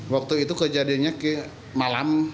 waktu itu kejadiannya ke malam